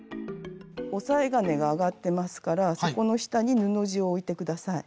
押さえ金が上がってますからそこの下に布地を置いて下さい。